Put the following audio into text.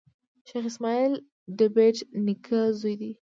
شېخ اسماعیل دبېټ نیکه زوی دﺉ.